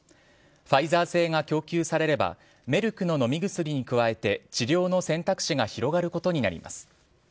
ファイザー製が供給されればメルクの飲み薬に加えて治療の選択肢が広がることになります。